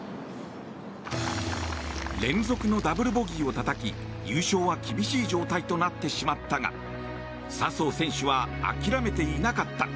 連続のダブルボギーをたたき優勝は厳しい状態となってしまったが笹生選手は諦めていなかった。